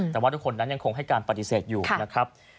แต่ว่าทุกคนนั้นยังคงให้การปฏิเสธอยู่นะครับ